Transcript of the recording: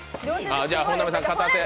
じゃあ本並さん、片手で。